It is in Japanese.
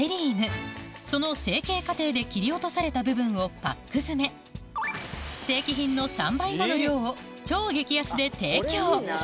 その成形過程で切り落とされた部分をパック詰めを超激安で提供